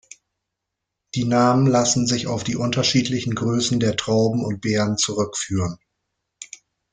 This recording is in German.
Die Namen lassen sich auf die unterschiedlichen Größen der Trauben und Beeren zurückführen.